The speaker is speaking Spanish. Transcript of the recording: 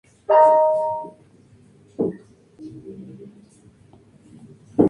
Está emplazada sobre un antiguo camino prehispánico.